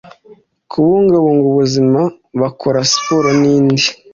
kubungabunga ubuzima bakora siporo n indi